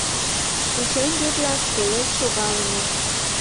Пушеҥге-влак пелед шогалыныт.